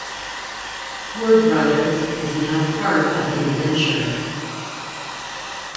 Poore Brothers is now part of Inventure.